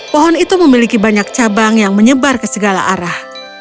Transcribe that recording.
pohon itu memiliki banyak cabang yang menyebar ke segala arah